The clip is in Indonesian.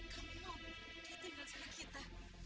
kamu mau dia tinggal di sini